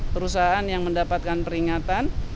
perusahaan yang mendapatkan peringatan